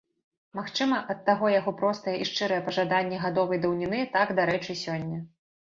Магчыма, ад таго яго простыя і шчырыя пажаданні гадовай даўніны так дарэчы сёння.